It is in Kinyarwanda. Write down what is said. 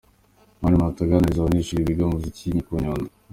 Mani Martin aganiriza abanyeshuri biga muzika ku Nyundo.